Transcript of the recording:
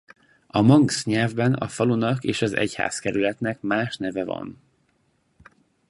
A manx nyelvben a falunak és az egyházkerületnek más neve van.